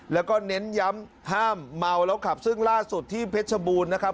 แล้วก็เน้นย้ำห้ามเมาแล้วขับซึ่งล่าสุดที่เพชรบูรณ์นะครับ